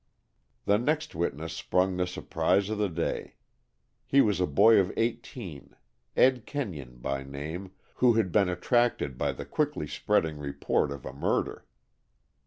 The next witness sprung the surprise of the day. He was a boy of eighteen, Ed Kenyon by name, who had been attracted by the quickly spreading report of a murder.